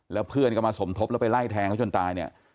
แล้วเพื่อนก็มาสมทบแล้วไปไล่แทงเขาจนตายเนี่ย